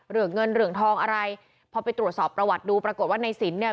เงินเหลืองทองอะไรพอไปตรวจสอบประวัติดูปรากฏว่าในสินเนี่ย